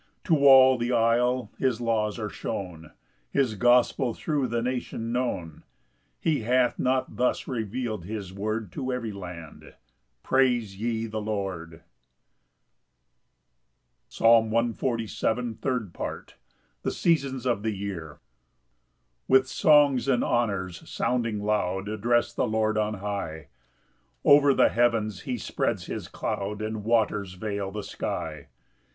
6 To all the Isle his laws are shown, His gospel thro' the nation known; He hath not thus reveal'd his word To every land: Praise ye the Lord. Psalm 147:3. 7 9 13 18. C. M. The seasons of the year. 1 With songs and honours sounding loud Address the Lord on high; Over the heavens he spreads his cloud, And waters veil the sky.